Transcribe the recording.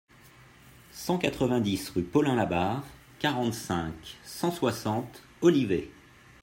cent quatre-vingt-dix rue Paulin Labarre, quarante-cinq, cent soixante, Olivet